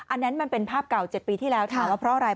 อันนั้นมันเป็นภาพเก่า๗ปีที่แล้วถามว่าเพราะอะไร